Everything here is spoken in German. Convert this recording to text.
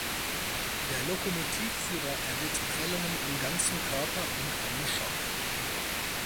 Der Lokomotivführer erlitt Prellungen am ganzen Körper und einen Schock.